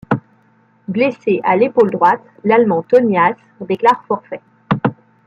Blessé à l’épaule droite, l'Allemand Tommy Haas déclare forfait.